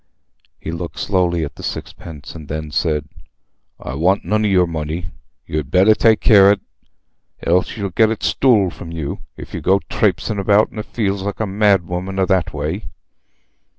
He looked slowly at the sixpence, and then said, "I want none o' your money. You'd better take care on't, else you'll get it stool from yer, if you go trapesin' about the fields like a mad woman a thatway."